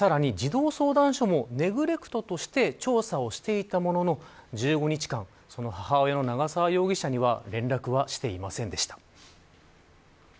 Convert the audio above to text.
さらに、児童相談所もネグレクトとして調査をしていたものの１５日間、母親の長沢容疑者には連絡はしていませんでした。